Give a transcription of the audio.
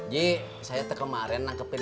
ji saya kemarin nangkepin